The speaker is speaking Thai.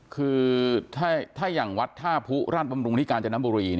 คือถ้าอย่างวัดธาภุร่านปำรุงธิการจนับบุรี